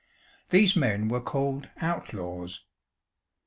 These men were called "outlaws."